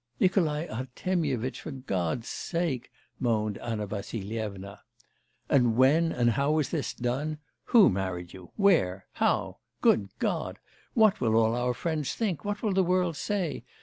'Nikolai Artemyevitch, for God's sake,' moaned Anna Vassilyevna. 'And when and how was this done? Who married you? where? how? Good God! what will all our friends think, what will the world say!